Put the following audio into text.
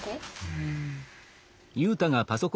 うん。